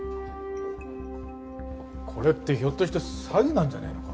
これってひょっとして詐欺なんじゃないのか？